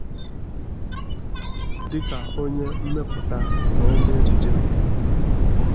dịka onye mmepụta na onye ejije